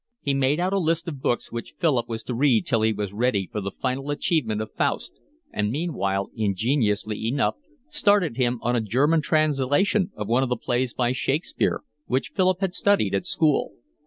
He made out a list of books which Philip was to read till he was ready for the final achievement of Faust, and meanwhile, ingeniously enough, started him on a German translation of one of the plays by Shakespeare which Philip had studied at school.